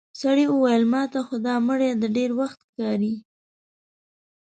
سړي وويل: ماته خو دا مړی د ډېر وخت ښکاري.